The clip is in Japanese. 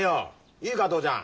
いいか父ちゃん。